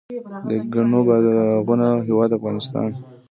د ګڼو باغونو هیواد افغانستان.